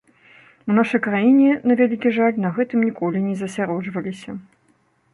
У нашай краіне, на вялікі жаль, на гэтым ніколі засяроджваліся.